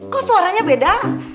kok suaranya beda